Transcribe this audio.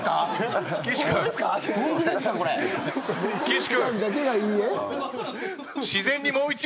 岸君！